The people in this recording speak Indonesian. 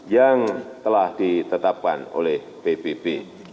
yang telah ditetapkan oleh pbb